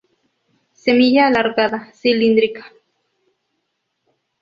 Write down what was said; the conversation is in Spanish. Semilla alargada, cilíndrica.